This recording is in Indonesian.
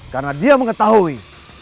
karena dia mengetahui